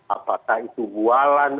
apakah itu bualan